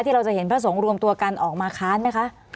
เราจะเห็นพระสงฆ์รวมตัวกันออกมาค้านไหมคะ